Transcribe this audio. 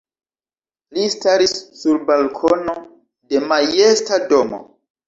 Li staris sur balkono de majesta domo.